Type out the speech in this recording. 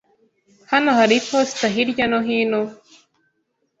Hano hari iposita hirya no hino?